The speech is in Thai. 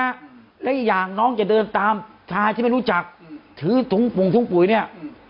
อะไรอย่างน้องเดินตามชายที่ไม่รู้จักถือปรุงถู์ปลูกเนี่ย